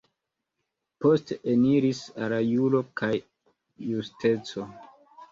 Poste eniris al Juro kaj Justeco.